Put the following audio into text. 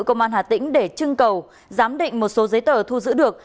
công an hà tĩnh để trưng cầu giám định một số giấy tờ thu giữ được